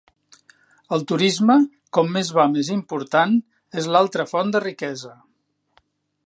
El turisme, com més va més important, és l'altra font de riquesa.